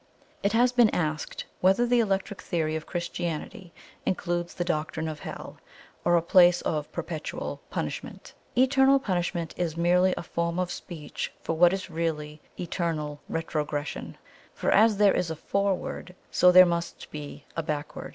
"It has been asked whether the Electric Theory of Christianity includes the doctrine of Hell, or a place of perpetual punishment. Eternal Punishment is merely a form of speech for what is really Eternal Retrogression. For as there is a Forward, so there must be a Backward.